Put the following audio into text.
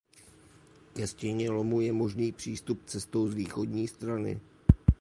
Ke stěně lomu je možný přístup cestou z východní stany.